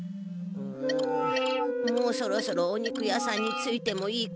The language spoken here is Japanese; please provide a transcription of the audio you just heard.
むうもうそろそろお肉屋さんに着いてもいいころじゃが。